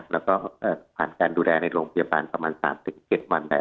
แล้วก็ผ่านการดูแลในโรงพยาบาลประมาณ๓๗วันได้